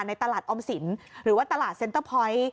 ในตลาดออมสินหรือว่าตลาดเซ็นเตอร์พอยต์